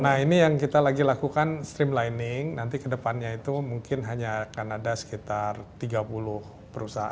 nah ini yang kita lagi lakukan streamlining nanti ke depannya itu mungkin hanya akan ada sekitar tiga puluh perusahaan